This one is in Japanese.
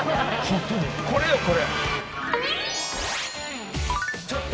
これよ、これ。